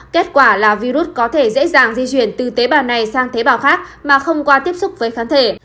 kết quả là virus có thể dễ dàng di chuyển từ tế bào này sang tế bào khác mà không qua tiếp xúc với khán thể